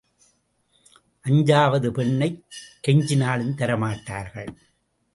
அஞ்சாவது பெண்ணைக் கெஞ்சினாலும் தரமாட்டார்கள்.